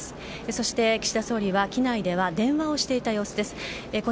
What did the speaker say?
そして岸田総理は、機内では電話をしていた様子です。